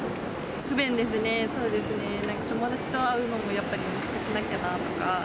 不便ですね、そうですね、友達と会うのもやっぱり自粛しなきゃなとか。